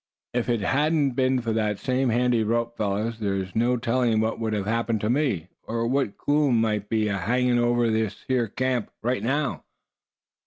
"If it hadn't been for that same handy rope, fellows, there's no telling what would have happened to me; or what gloom might be ahangin' over this here camp right now."